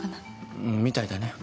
うんみたいだね。